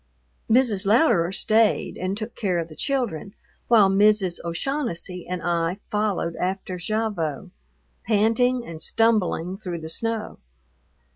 Mrs. Louderer stayed and took care of the children while Mrs. O'Shaughnessy and I followed after Gavotte, panting and stumbling, through the snow.